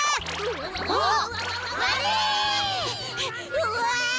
うわ！